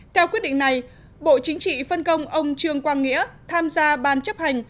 theo quyết định này bộ chính trị phân công ông trương quang nghĩa tham gia ban chấp hành